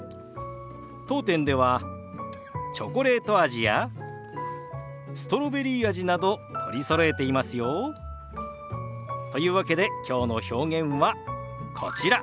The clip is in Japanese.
当店ではチョコレート味やストロベリー味など取りそろえていますよ。というわけできょうの表現はこちら。